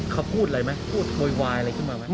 เขาพูดอะไรไหมพูดโวยวายอะไรขึ้นมาไหม